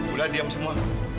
udah diam semua